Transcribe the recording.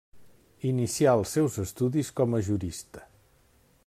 Inicià els seus estudis com a jurista.